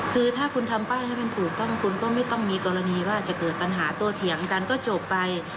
คือถ้าคุณทำป้ายให้มันถูกต้องคุณก็ไม่ต้องมีกรณีว่าจะเกิดปัญหาโตเถียงกันก็จบไป